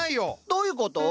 どういうこと？